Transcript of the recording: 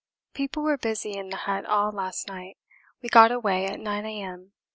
People were busy in the hut all last night we got away at 9 A.M.